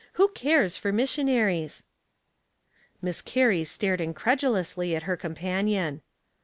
Who cares for mis sionaries ?" Miss Carrie stared incredulously at her com panion.